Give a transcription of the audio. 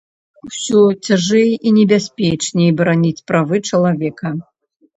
Усё цяжэй і небяспечней бараніць правы чалавека.